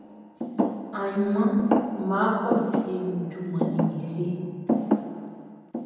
Ayinʼman nʼma kɔ fie nu juman ni mi si.